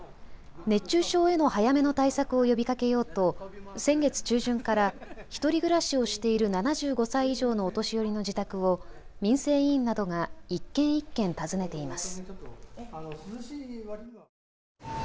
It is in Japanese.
熱中症への早めの対策を呼びかけようと先月中旬から１人暮らしをしている７５歳以上のお年寄りの自宅を民生委員などが一軒一軒訪ねています。